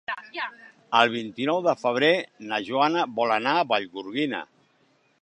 El vint-i-nou de febrer na Joana vol anar a Vallgorguina.